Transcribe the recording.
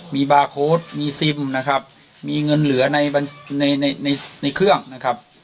มีบาร์โค้ดมีซิมนะครับมีเงินเหลือในในเครื่องนะครับ